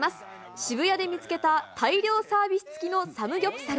渋谷で見つけた大量サービス付きのサムギョプサル。